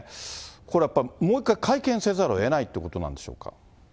これやっぱりもう一回会見せざるをえないということなんでしょう